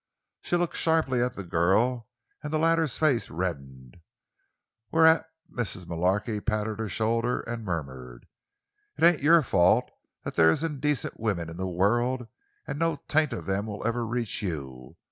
She looked sharply at the girl, and the latter's face reddened. Whereat Mrs. Mullarky patted her shoulder and murmured: "It ain't your fault that there's indacint women in the world; an' no taint of them will ever reach you.